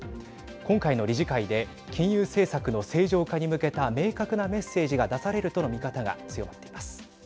今回の理事会で金融政策の正常化に向けた明確なメッセージが出されるとの見方が強まっています。